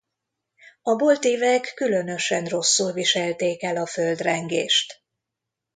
A boltívek különösen rosszul viselték el a földrengést.